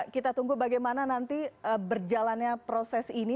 kita tunggu bagaimana nanti berjalannya proses ini